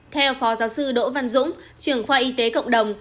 theo phó giáo sư đỗ văn dũng trưởng khoa y tế cộng đồng